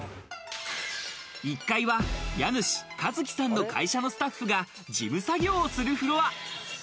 １階は家主・一騎さんの会社のスタッフが事務作業をするフロア。